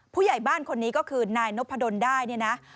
ผู้ใหญ่บ้านคนนี้ก็คือนายนพดลได้เนี่ยนะ